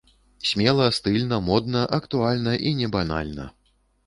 Смела, стыльна, модна, актуальна і не банальна!